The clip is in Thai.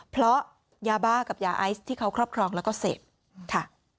เพราะยาบ้ากับยาไอซ์ที่เขาครอบครองแล้วก็เสพค่ะ